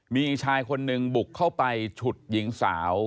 มีชายคนหนึ่งบุกเข้าไปฉุดหญิงสาว